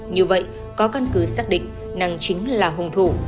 như vậy có căn cứ xác định năng chính là hung thủ